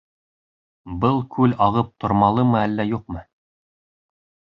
Был күл ағып тормалымы әллә юҡмы?